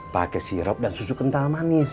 pakai sirup dan susu kental manis